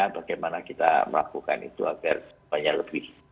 bagaimana kita melakukan itu agar semuanya lebih